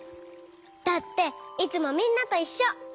だっていつもみんなといっしょ！